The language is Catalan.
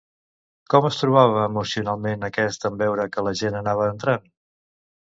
Com es trobava emocionalment aquest en veure que la gent anava entrant?